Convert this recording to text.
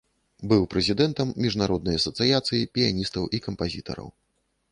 Быў прэзідэнтам міжнароднай асацыяцыі піяністаў і кампазітараў.